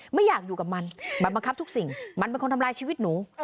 ไม่อยากอยู่กับมันมันบังคับทุกสิ่งมันเป็นคนทำลายชีวิตหนู